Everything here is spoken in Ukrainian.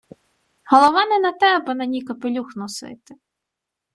Голова не на те, аби на ній капелюх носити.